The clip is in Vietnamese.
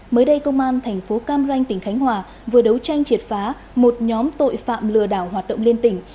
mới đây công an thành phố cam ranh tỉnh khánh hòa vừa đấu tranh triệt phá một nhóm tội phạm lừa đảo hoạt động liên tỉnh